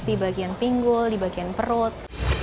di bagian pinggul di bagian perut